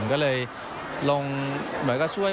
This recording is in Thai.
ก็เลยลงเหมือนกับช่วย